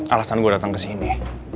alasan gue datang kesini